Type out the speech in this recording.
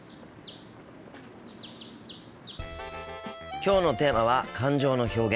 きょうのテーマは感情の表現。